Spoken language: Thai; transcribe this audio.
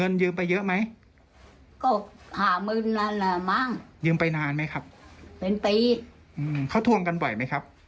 เงินยืมไปเยอะไหม